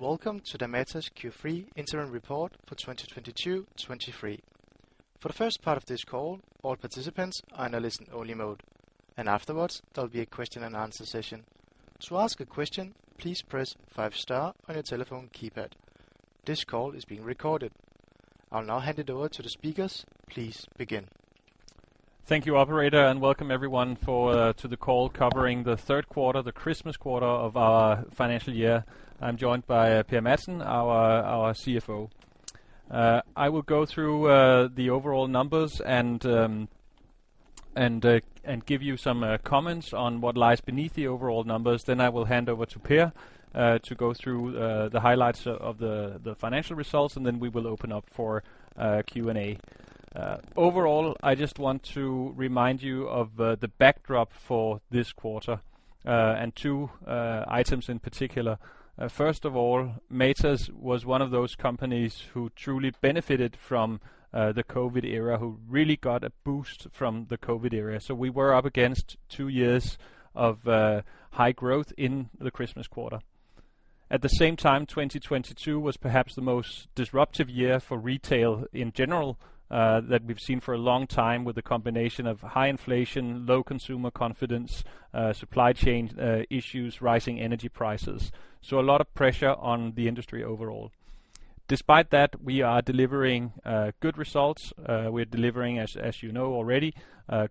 Welcome to the Matas Q3 Interim Report for 2022, 2023. For the first part of this call, all participants are in a listen only mode, and afterwards there will be a question and answer session. To ask a question, please press five star on your telephone keypad. This call is being recorded. I'll now hand it over to the speakers. Please begin. Thank you, operator. Welcome everyone to the call covering the third quarter, the Christmas quarter of our financial year. I'm joined by Per Madsen, our CFO. I will go through the overall numbers and give you some comments on what lies beneath the overall numbers. I will hand over to Per to go through the highlights of the financial results, and then we will open up for Q&A. Overall, I just want to remind you of the backdrop for this quarter and two items in particular. First of all, Matas was one of those companies who truly benefited from the COVID era, who really got a boost from the COVID era. We were up against two years of high growth in the Christmas quarter. At the same time, 2022 was perhaps the most disruptive year for retail in general that we've seen for a long time, with a combination of high inflation, low consumer confidence, supply chain issues, rising energy prices. A lot of pressure on the industry overall. Despite that, we are delivering good results. We're delivering, as you know already,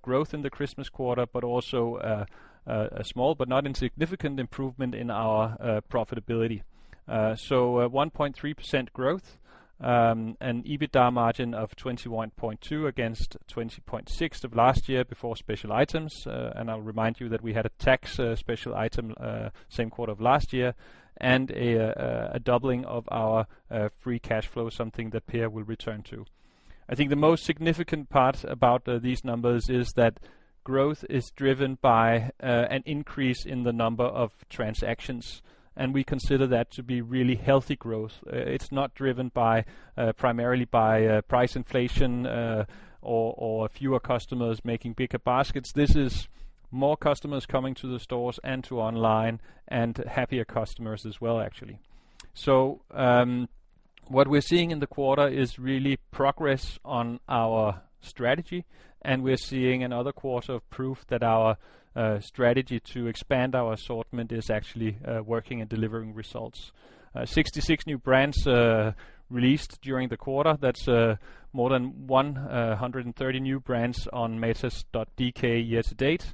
growth in the Christmas quarter, but also a small but not insignificant improvement in our profitability. 1.3% growth, an EBITDA margin of 21.2% against 20.6% of last year before special items. I'll remind you that we had a tax special item same quarter of last year and a doubling of our free cash flow, something that Per will return to. I think the most significant part about these numbers is that growth is driven by an increase in the number of transactions, and we consider that to be really healthy growth. It's not driven by primarily by price inflation, or fewer customers making bigger baskets. This is more customers coming to the stores and to online and happier customers as well, actually. What we're seeing in the quarter is really progress on our strategy, and we're seeing another quarter of proof that our strategy to expand our assortment is actually working and delivering results. 66 new brands released during the quarter. That's more than 130 new brands on matas.dk year to date.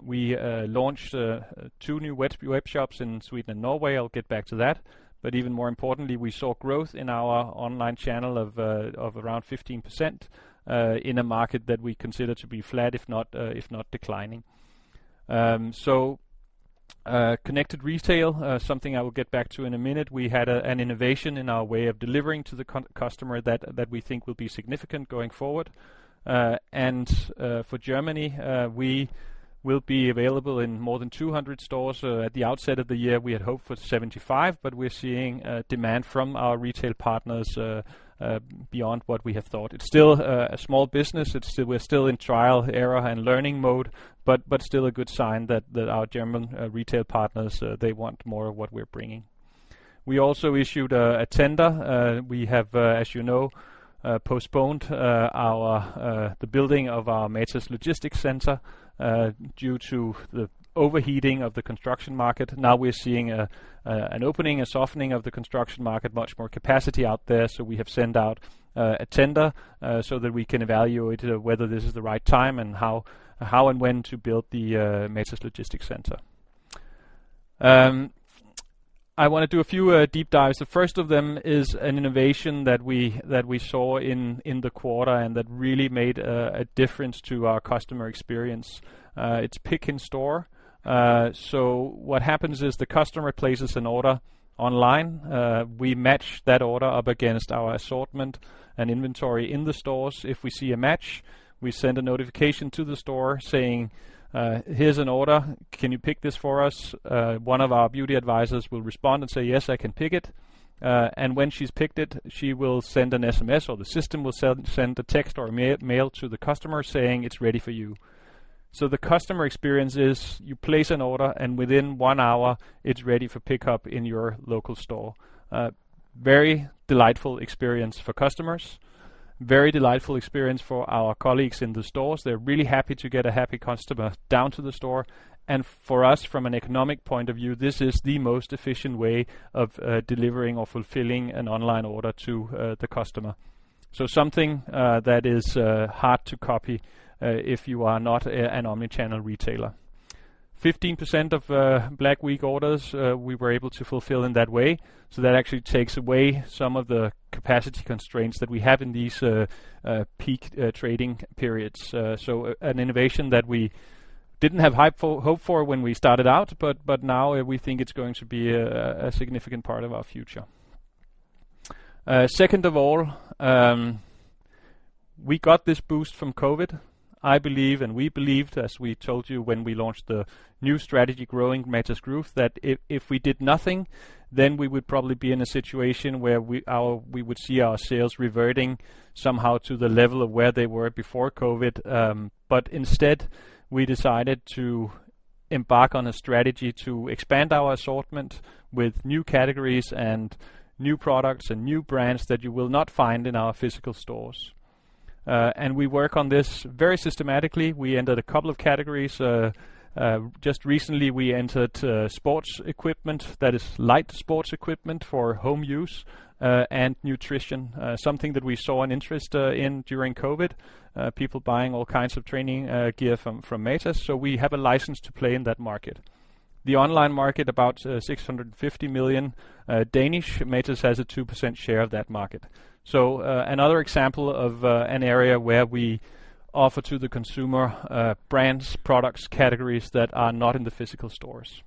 We launched two new web shops in Sweden and Norway. I'll get back to that. Even more importantly, we saw growth in our online channel of around 15% in a market that we consider to be flat if not declining. Connected retail, something I will get back to in a minute. We had an innovation in our way of delivering to the customer that we think will be significant going forward. For Germany, we will be available in more than 200 stores. At the outset of the year, we had hoped for 75, but we're seeing demand from our retail partners beyond what we have thought. It's still a small business. We're still in trial, error and learning mode, but still a good sign that our German retail partners, they want more of what we're bringing. We also issued a tender. We have, as you know, postponed our the building of our Matas Logistics Center due to the overheating of the construction market. Now we're seeing an opening, a softening of the construction market, much more capacity out there. We have sent out a tender so that we can evaluate whether this is the right time and how and when to build the Matas Logistics Center. I want to do a few deep dives. The first of them is an innovation that we saw in the quarter and that really made a difference to our customer experience. It's pick in store. What happens is the customer places an order online. We match that order up against our assortment and inventory in the stores. If we see a match, we send a notification to the store saying, "Here's an order. Can you pick this for us?" One of our beauty advisors will respond and say, "Yes, I can pick it." When she's picked it, she will send an SMS, or the system will send a text or mail to the customer saying, "It's ready for you." The customer experience is you place an order and within one hour it's ready for pickup in your local store. Very delightful experience for customers, very delightful experience for our colleagues in the stores. They're really happy to get a happy customer down to the store. For us, from an economic point of view, this is the most efficient way of delivering or fulfilling an online order to the customer. Something that is hard to copy if you are not an omni-channel retailer. 15% of Black Week orders we were able to fulfill in that way. That actually takes away some of the capacity constraints that we have in these peak trading periods. An innovation that we didn't have hope for when we started out, but now we think it's going to be a significant part of our future. Second of all, we got this boost from COVID, I believe, and we believed, as we told you when we launched the new strategy Growing Matas Group, that if we did nothing, then we would probably be in a situation where we would see our sales reverting somehow to the level of where they were before COVID. Instead we decided to embark on a strategy to expand our assortment with new categories and new products and new brands that you will not find in our physical stores. We work on this very systematically. We entered a couple of categories. Just recently, we entered sports equipment that is light sports equipment for home use and nutrition, something that we saw an interest in during COVID. People buying all kinds of training gear from Matas, so we have a license to play in that market. The online market, about 650 million. Matas has a 2% share of that market. Another example of an area where we offer to the consumer brands, products, categories that are not in the physical stores.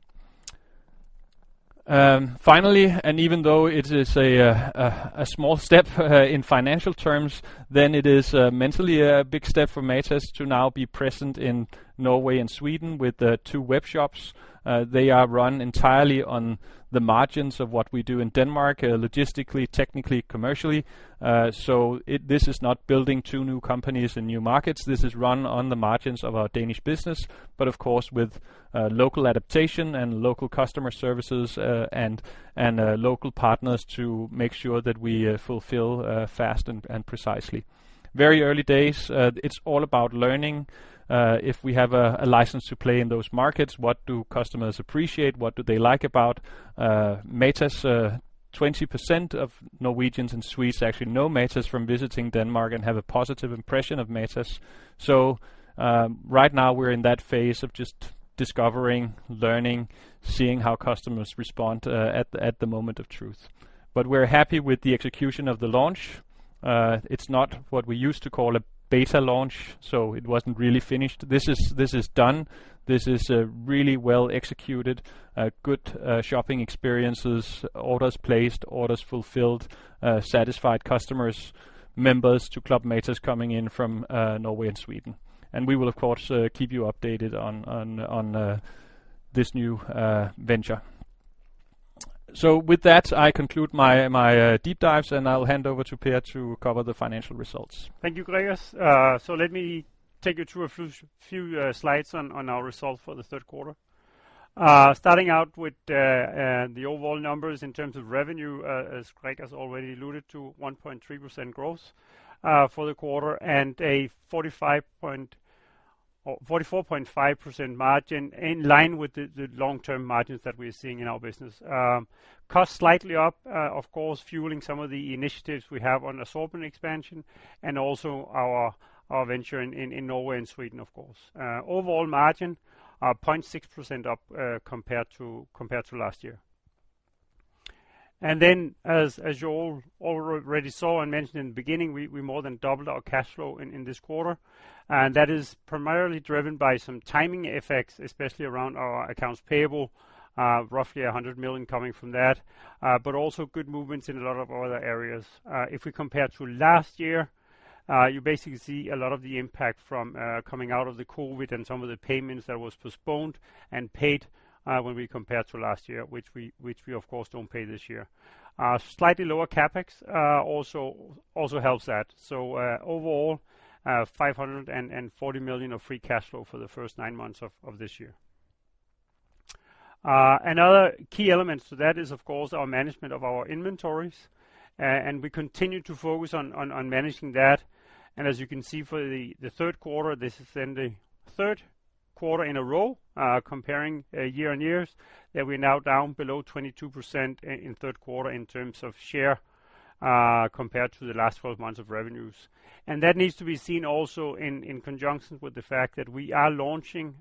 Finally, even though it is a small step in financial terms, it is mentally a big step for Matas to now be present in Norway and Sweden with two web shops. They are run entirely on the margins of what we do in Denmark, logistically, technically, commercially. This is not building two new companies in new markets. This is run on the margins of our Danish business, but of course, with local adaptation and local customer services, local partners to make sure that we fulfill fast and precisely. Very early days. It's all about learning. If we have a license to play in those markets, what do customers appreciate? What do they like about Matas? 20% of Norwegians and Swedes actually know Matas from visiting Denmark and have a positive impression of Matas. Right now we're in that phase of just discovering, learning, seeing how customers respond at the moment of truth. We're happy with the execution of the launch. It's not what we used to call a beta launch, it wasn't really finished. This is done. This is really well executed, good shopping experiences, orders placed, orders fulfilled, satisfied customers, members to Club Matas coming in from Norway and Sweden. We will, of course, keep you updated on this new venture. With that, I conclude my deep dives, and I'll hand over to Per to cover the financial results. Thank you, Gregers. Let me take you through a few slides on our results for the third quarter. Starting out with the overall numbers in terms of revenue, as Gregers already alluded to, 1.3% growth for the quarter and a 45% or 44.5% margin in line with the long-term margins that we're seeing in our business. Cost slightly up, of course, fueling some of the initiatives we have on assortment expansion and also our venture in Norway and Sweden, of course. Overall margin are 0.6% up compared to last year. As you already saw and mentioned in the beginning, we more than doubled our cash flow in this quarter. That is primarily driven by some timing effects, especially around our accounts payable, roughly 100 million coming from that, but also good movements in a lot of other areas. If we compare to last year, you basically see a lot of the impact from coming out of the COVID and some of the payments that was postponed and paid, when we compare to last year, which we of course don't pay this year. Slightly lower CapEx also helps that. Overall, 540 million of free cash flow for the first nine months of this year. Another key element to that is of course our management of our inventories, and we continue to focus on managing that. As you can see for the third quarter, this is then the third quarter in a row, comparing year-on-year that we're now down below 22% in third quarter in terms of share, compared to the last 12 months of revenues. That needs to be seen also in conjunction with the fact that we are launching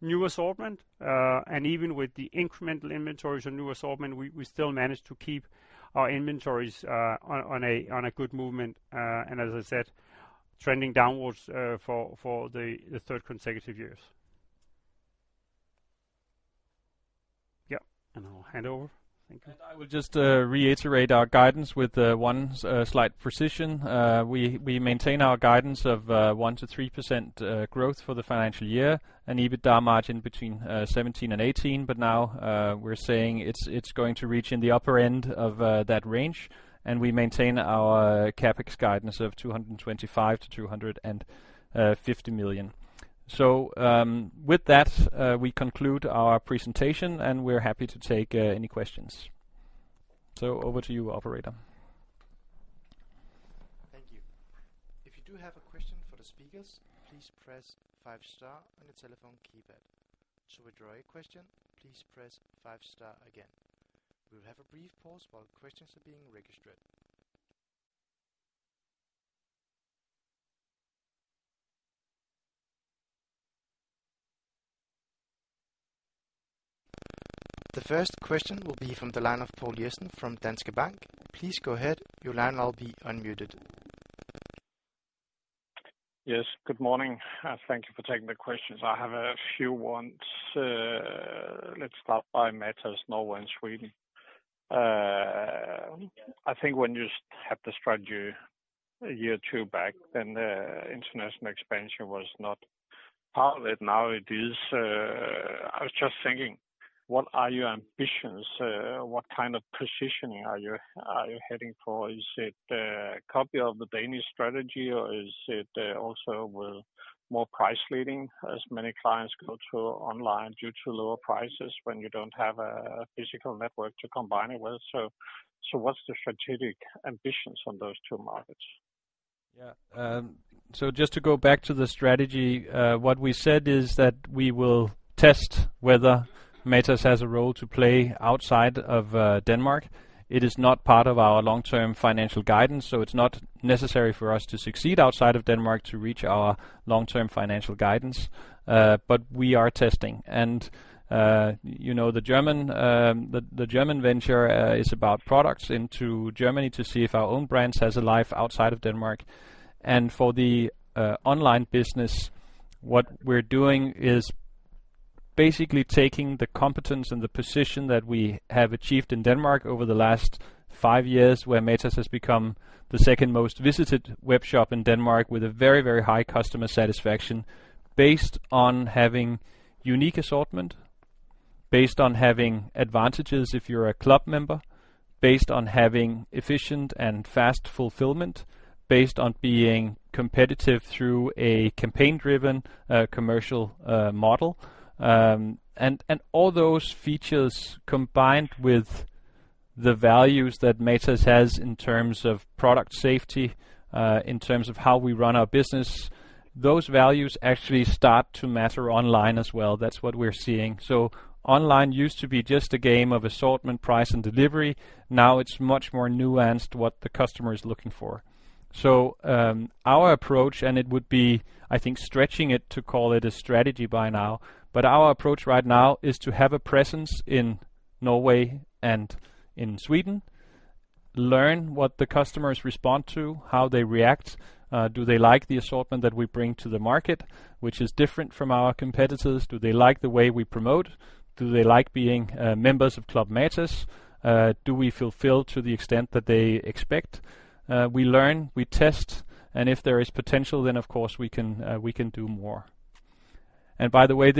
new assortment. Even with the incremental inventories and new assortment, we still manage to keep our inventories on a good movement, and as I said, trending downwards for the third consecutive years. I'll hand over. Thank you. I will just reiterate our guidance with one slight precision. We maintain our guidance of 1%-3% growth for the financial year and EBITDA margin between 17% and 18%. Now, we're saying it's going to reach in the upper end of that range, and we maintain our CapEx guidance of 225 million-250 million. With that, we conclude our presentation, and we're happy to take any questions. Over to you, operator. Thank you. If you do have a question for the speakers, please press five star on your telephone keypad. To withdraw your question, please press five star again. We'll have a brief pause while questions are being registered. The first question will be from the line of Poul Ernst Jessen from Danske Bank. Please go ahead. Your line will now be unmuted. Yes. Good morning. Thank you for taking the questions. I have a few ones. Let's start by Matas Norway and Sweden. I think when you have the strategy a year or two back, then the international expansion was not part of it. Now it is. I was just thinking. What are your ambitions? What kind of positioning are you heading for? Is it a copy of the Danish strategy, or is it also with more price leading as many clients go to online due to lower prices when you don't have a physical network to combine it with? What's the strategic ambitions on those two markets? Yeah. Just to go back to the strategy, what we said is that we will test whether Matas has a role to play outside of Denmark. It is not part of our long-term financial guidance, so it's not necessary for us to succeed outside of Denmark to reach our long-term financial guidance. We are testing and, you know, the German, the German venture, is about products into Germany to see if our own brands has a life outside of Denmark. For the online business, what we're doing is basically taking the competence and the position that we have achieved in Denmark over the last five years, where Matas has become the second most visited webshop in Denmark with a very, very high customer satisfaction based on having unique assortment, based on having advantages if you're a club member, based on having efficient and fast fulfillment, based on being competitive through a campaign-driven commercial model. All those features combined with the values that Matas has in terms of product safety, in terms of how we run our business, those values actually start to matter online as well. That's what we're seeing. Online used to be just a game of assortment, price, and delivery. Now it's much more nuanced what the customer is looking for. Our approach, and it would be, I think, stretching it to call it a strategy by now, but our approach right now is to have a presence in Norway and in Sweden, learn what the customers respond to, how they react. Do they like the assortment that we bring to the market, which is different from our competitors? Do they like the way we promote? Do they like being members of Club Matas? Do we fulfill to the extent that they expect? We learn, we test, and if there is potential, then of course, we can do more. By the way,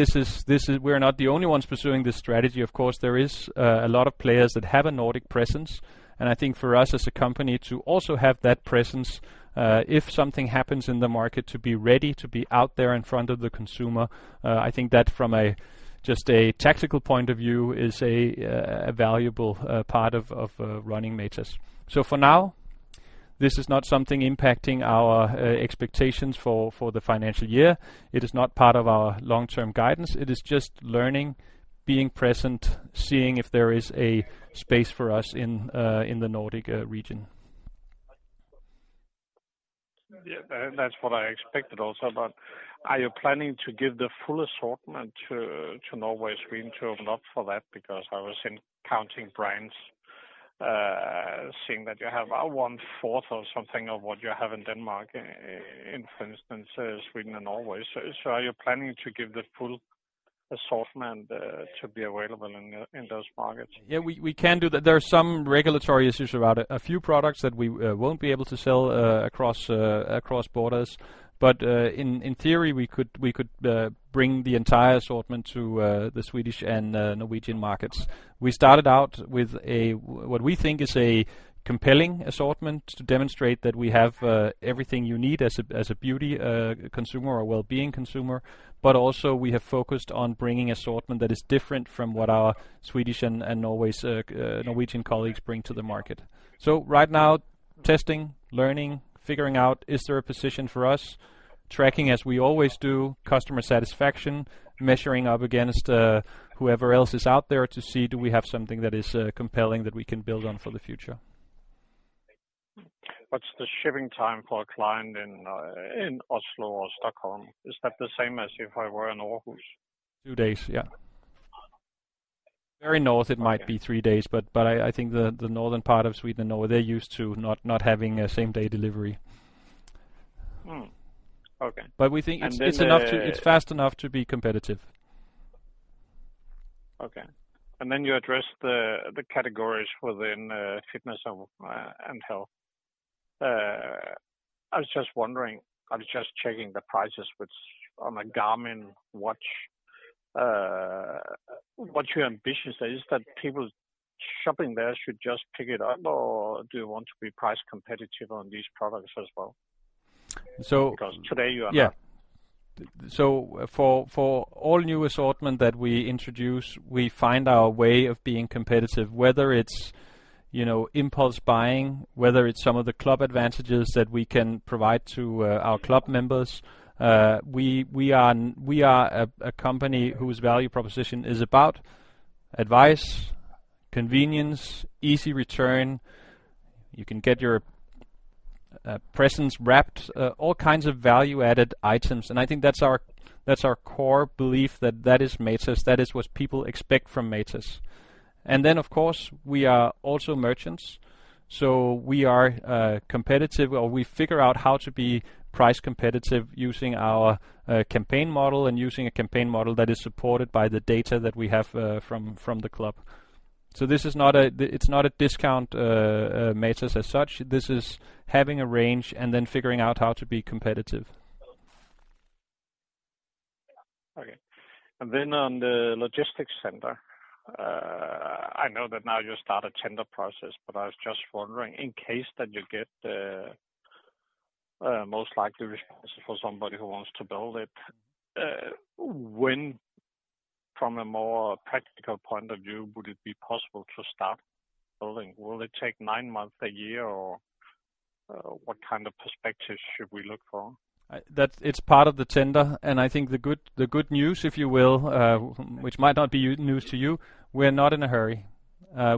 we're not the only ones pursuing this strategy. Of course, there is a lot of players that have a Nordic presence, and I think for us as a company to also have that presence, if something happens in the market, to be ready to be out there in front of the consumer, I think that from a, just a tactical point of view is a valuable part of running Matas. For now, this is not something impacting our expectations for the financial year. It is not part of our long-term guidance. It is just learning, being present, seeing if there is a space for us in the Nordic region. Yeah. That's what I expected also. Are you planning to give the full assortment to Norway, Sweden to open up for that? Because I was counting brands, seeing that you have one-fourth or something of what you have in Denmark in for instance, Sweden and Norway. Are you planning to give the full assortment to be available in those markets? Yeah, we can do that. There are some regulatory issues around a few products that we won't be able to sell across borders. In theory, we could bring the entire assortment to the Swedish and Norwegian markets. We started out with a what we think is a compelling assortment to demonstrate that we have everything you need as a beauty consumer or wellbeing consumer, but also we have focused on bringing assortment that is different from what our Swedish and Norway's Norwegian colleagues bring to the market. Right now, testing, learning, figuring out is there a position for us, tracking, as we always do, customer satisfaction, measuring up against whoever else is out there to see do we have something that is compelling that we can build on for the future. What's the shipping time for a client in Oslo or Stockholm? Is that the same as if I were in Aarhus? Two days. Yeah. Very north- Okay. It might be three days, but I think the northern part of Sweden, Norway, they're used to not having a same-day delivery. Okay. But we think- And then the- It's fast enough to be competitive. Okay. Then you address the categories within fitness and health. I was just wondering, I was just checking the prices which on a Garmin watch, what your ambitions are. Is that people shopping there should just pick it up, or do you want to be price competitive on these products as well? So- Today you are not. Yeah. For, for all new assortment that we introduce, we find our way of being competitive, whether it's, you know, impulse buying, whether it's some of the club advantages that we can provide to our club members. We are a company whose value proposition is about advice, convenience, easy return. You can get your presents wrapped, all kinds of value-added items. I think that's our, that's our core belief that that is Matas. That is what people expect from Matas. Of course, we are also merchants, so we are competitive or we figure out how to be price competitive using our campaign model and using a campaign model that is supported by the data that we have from the club. This is not, it's not a discount Matas as such. This is having a range and then figuring out how to be competitive. Okay. On the logistics center, I know that now you start a tender process, but I was just wondering in case that you get the most likely response for somebody who wants to build it, when from a more practical point of view, would it be possible to start building? Will it take nine months, one year, or what kind of perspective should we look for? It's part of the tender, and I think the good news, if you will, which might not be news to you, we're not in a hurry.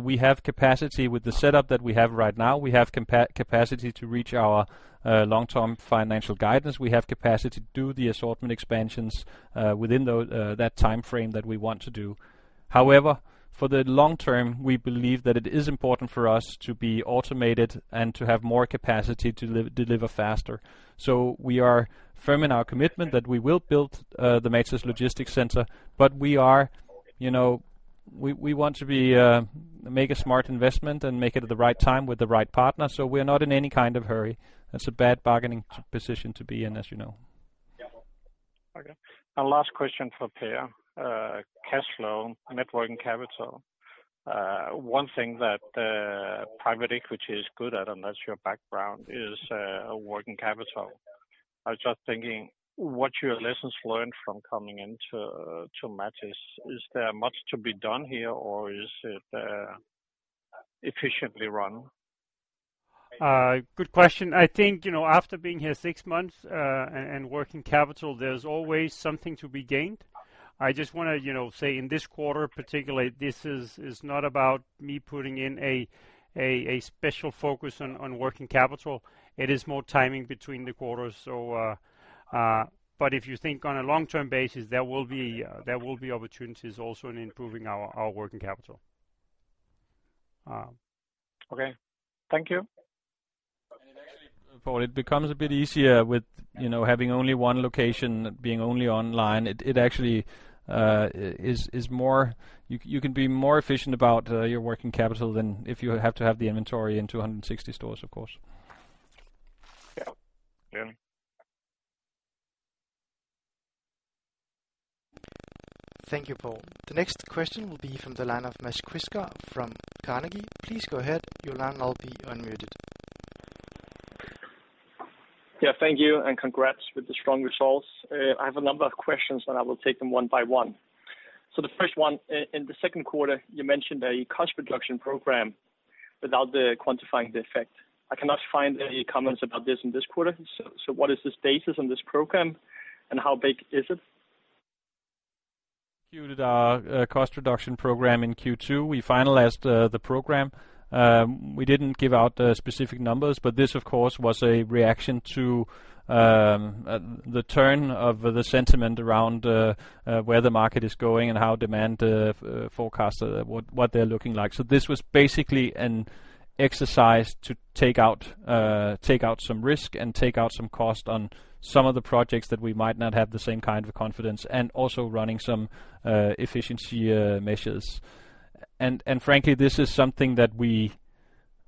We have capacity with the setup that we have right now. We have capacity to reach our long-term financial guidance. We have capacity to do the assortment expansions within that timeframe that we want to do. For the long term, we believe that it is important for us to be automated and to have more capacity to deliver faster. We are firm in our commitment that we will build the Matas Logistics Center, but we are, you know, we want to make a smart investment and make it at the right time with the right partner. We're not in any kind of hurry. That's a bad bargaining position to be in, as you know. Yeah. Okay. A last question for Per. cash flow, net working capital. one thing that private equity is good at, and that's your background, is working capital. I was just thinking, what's your lessons learned from coming into Matas? Is there much to be done here or is it efficiently run? Good question. I think, you know, after being here six months, and working capital, there's always something to be gained. I just wanna, you know, say in this quarter particularly, this is not about me putting in a special focus on working capital. It is more timing between the quarters. If you think on a long-term basis, there will be opportunities also in improving our working capital. Okay. Thank you. It actually, Poul, it becomes a bit easier with, you know, having only one location, being only online. It actually, you can be more efficient about your working capital than if you have to have the inventory in 260 stores, of course. Yeah. Clearly. Thank you, Poul. The next question will be from the line of Mads Quistgaard from Carnegie. Please go ahead. Your line will now be unmuted. Yeah, thank you and congrats with the strong results. I have a number of questions, and I will take them one by one. The first one, in the second quarter, you mentioned a cost reduction program without quantifying the effect. I cannot find any comments about this in this quarter. What is the status on this program, and how big is it? We executed our cost reduction program in Q2. We finalized the program. We didn't give out specific numbers, but this of course was a reaction to the turn of the sentiment around where the market is going and how demand forecast what they're looking like. This was basically an exercise to take out some risk and take out some cost on some of the projects that we might not have the same kind of confidence and also running some efficiency measures. Frankly, this is something that we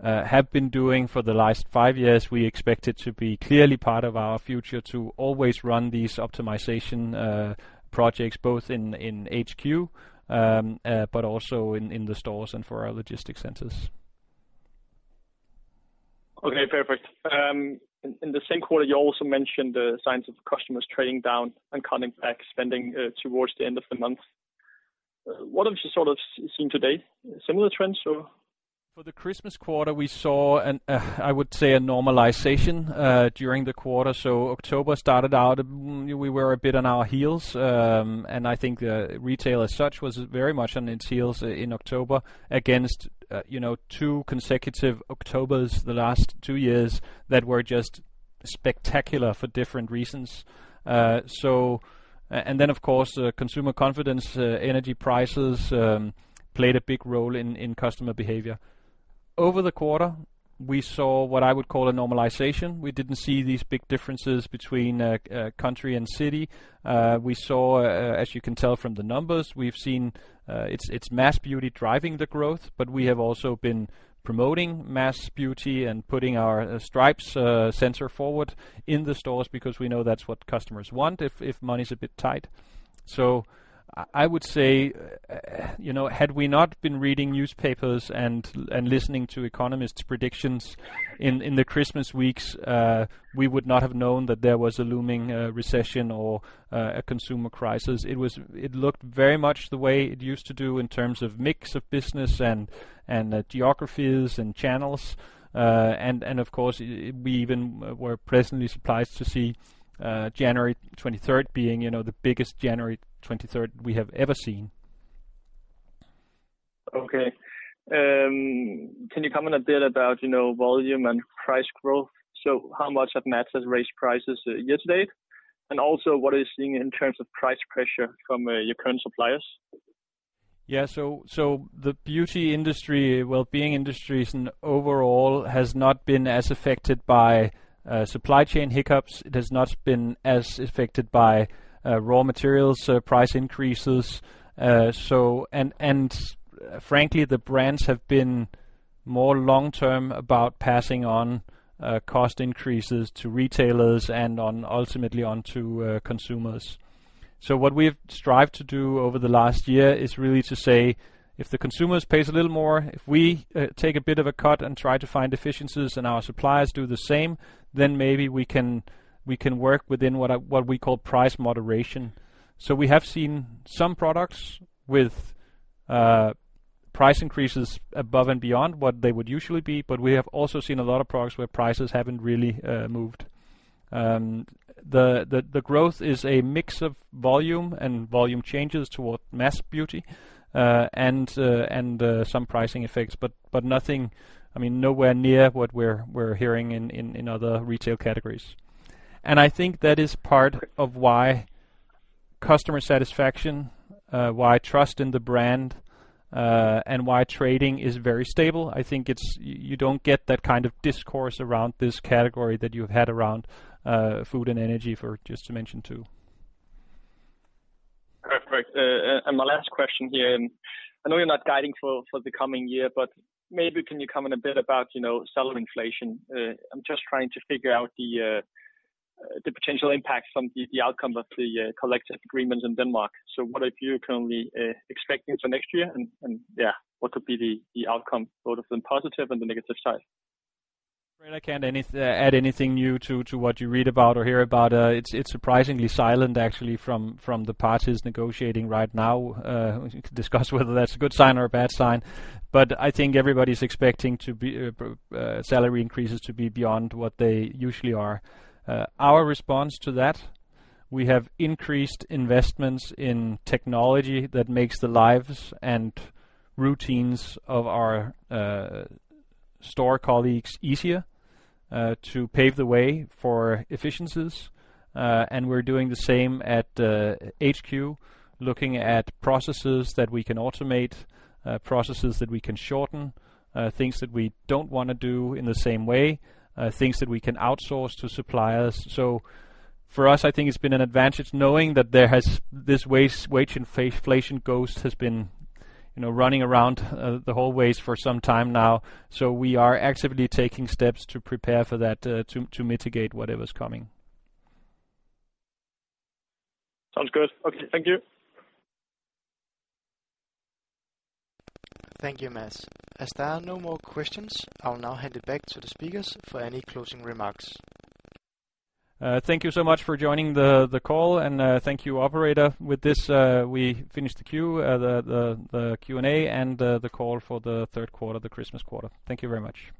have been doing for the last five years. We expect it to be clearly part of our future to always run these optimization projects both in HQ, but also in the stores and for our logistics centers. Okay, perfect. In the same quarter, you also mentioned the signs of customers trading down and cutting back spending towards the end of the month. What have you sort of seen today? Similar trends or? For the Christmas quarter, we saw an, I would say a normalization during the quarter. October started out, we were a bit on our heels. I think retail as such was very much on its heels in October against, you know, two consecutive Octobers the last two years that were just spectacular for different reasons. Then of course, consumer confidence, energy prices, played a big role in customer behavior. Over the quarter, we saw what I would call a normalization. We didn't see these big differences between country and city. We saw, as you can tell from the numbers, we've seen, it's mass beauty driving the growth, but we have also been promoting mass beauty and putting our stripes, center forward in the stores because we know that's what customers want if money's a bit tight. I would say, you know, had we not been reading newspapers and listening to economists' predictions in the Christmas weeks, we would not have known that there was a looming recession or a consumer crisis. It looked very much the way it used to do in terms of mix of business and geographies and channels. Of course, we even were pleasantly surprised to see, January 23rd being, you know, the biggest January 23rd we have ever seen. Okay. Can you comment a bit about, you know, volume and price growth? How much have Matas raised prices year to date? What are you seeing in terms of price pressure from, your current suppliers? The beauty industry, wellbeing industries in overall has not been as affected by supply chain hiccups. It has not been as affected by raw materials price increases. Frankly, the brands have been more long term about passing on cost increases to retailers and ultimately on to consumers. What we've strived to do over the last year is really to say, if the consumers pays a little more, if we take a bit of a cut and try to find efficiencies and our suppliers do the same, then maybe we can work within what we call price moderation. We have seen some products with price increases above and beyond what they would usually be, but we have also seen a lot of products where prices haven't really moved. The growth is a mix of volume, and volume changes toward mass beauty, and some pricing effects. Nothing. I mean, nowhere near what we're hearing in other retail categories. I think that is part of why customer satisfaction, why trust in the brand, and why trading is very stable. I think it's, you don't get that kind of discourse around this category that you've had around food and energy for just to mention two. Perfect. My last question here, and I know you're not guiding for the coming year, but maybe can you comment a bit about, you know, salary inflation. I'm just trying to figure out the potential impact from the outcome of the collective agreement in Denmark. What are you currently expecting for next year? And, and yeah, what could be the outcome, both on the positive and the negative side? I'm afraid I can't add anything new to what you read about or hear about. It's surprisingly silent actually from the parties negotiating right now. We can discuss whether that's a good sign or a bad sign, but I think everybody's expecting salary increases to be beyond what they usually are. Our response to that, we have increased investments in technology that makes the lives and routines of our store colleagues easier to pave the way for efficiencies. We're doing the same at HQ, looking at processes that we can automate, processes that we can shorten, things that we don't wanna do in the same way, things that we can outsource to suppliers. For us, I think it's been an advantage knowing that there has, this wage inflation ghost has been, you know, running around the hallways for some time now. We are actively taking steps to prepare for that, to mitigate whatever's coming. Sounds good. Okay. Thank you. Thank you, Mads. As there are no more questions, I'll now hand it back to the speakers for any closing remarks. Thank you so much for joining the call and, thank you operator. With this, we finish the queue, the Q&A and the call for the third quarter, the Christmas quarter. Thank you very much.